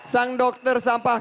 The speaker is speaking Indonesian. sang dokter sampah